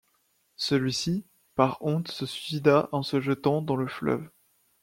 Celui-ci, par honte se suicida en se jetant dans le fleuve.